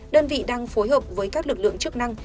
đơn vị đang phối hợp với các lực lượng chức năng